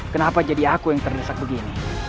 kenapa jadi aku yang terdesak begini